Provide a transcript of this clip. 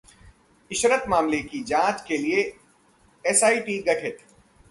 इशरत मामले की जांच के लिए एसआईटी गठित